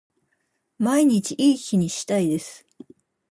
毎日いい日にしたいです